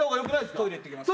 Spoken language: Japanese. トイレ行ってきます。